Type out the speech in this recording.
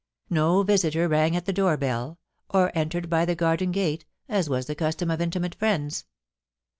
No visitor rang at the door bell, or entered by the garden gate, as was the custom of intimate friends.